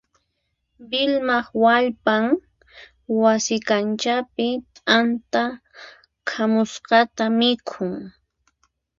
Vilmaq wallpan wasi kanchapi t'anta hak'usqata mikhun.